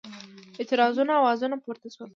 اعتراضونو آوازونه پورته شول.